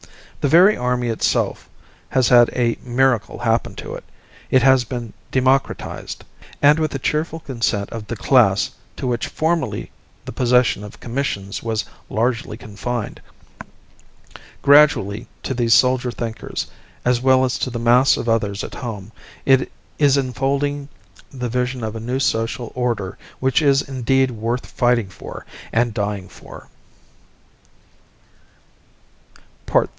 The very army itself has had a miracle happen to it: it has been democratized and with the cheerful consent of the class to which formerly the possession of commissions was largely confined. Gradually, to these soldier thinkers, as well as to the mass of others at home, is unfolding the vision of a new social order which is indeed worth fighting for and dying for.